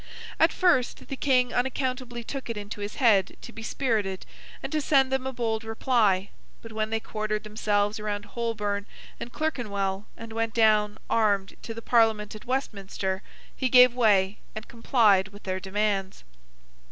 At first, the King unaccountably took it into his head to be spirited, and to send them a bold reply; but when they quartered themselves around Holborn and Clerkenwell, and went down, armed, to the Parliament at Westminster, he gave way, and complied with their demands.